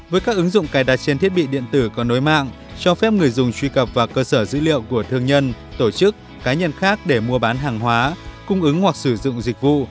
với các ứng dụng cài đặt trên thiết bị điện tử có nối mạng cho phép người dùng truy cập vào cơ sở dữ liệu của thương nhân tổ chức cá nhân khác để mua bán hàng hóa cung ứng hoặc sử dụng dịch vụ